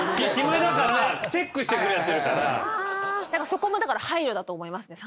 そこもだから配慮だと思いますね